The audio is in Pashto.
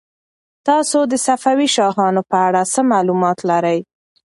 تاسو د صفوي شاهانو په اړه څه معلومات لرئ؟